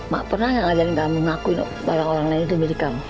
mak pernah ngajarin kamu ngakuin barang orang lain itu milik kamu